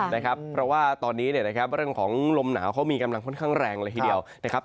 เพราะว่าตอนนี้เรื่องของลมหนาวเขามีกำลังค่อนข้างแรงเลยทีเดียวนะครับ